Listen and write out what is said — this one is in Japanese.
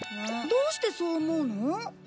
どうしてそう思うの？